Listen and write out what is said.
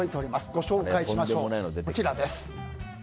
ご紹介しましょう、こちらです。